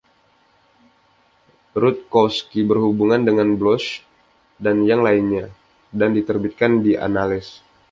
Rutkowski berhubungan dengan Bloch dan yang lainnya, dan diterbitkan di Annales.